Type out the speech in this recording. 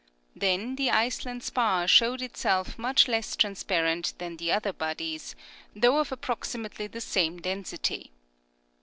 Then the Iceland spar showed itself much less transparent than the other bodies, though of approximately the same density.